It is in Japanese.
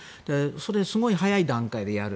すごい早い段階でやる。